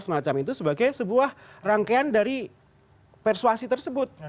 semacam itu sebagai sebuah rangkaian dari persuasi tersebut